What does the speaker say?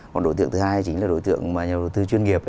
còn đối tượng thứ hai chính là đối tượng mà nhà đầu tư chuyên nghiệp